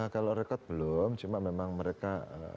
kalau rekod belum cuma memang mereka